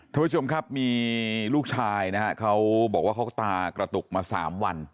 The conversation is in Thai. ท่านผู้ชมครับมีลูกชายนะฮะเขาบอกว่าเขาก็ตากระตุกมา๓วัน